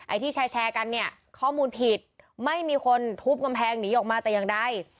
ที่แชร์กันเนี่ยข้อมูลผิดไม่มีคนทุบกำแพงหนีออกมาแต่อย่างใด